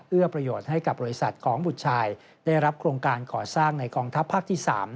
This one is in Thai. ประโยชน์ให้กับบริษัทของบุตรชายได้รับโครงการก่อสร้างในกองทัพภาคที่๓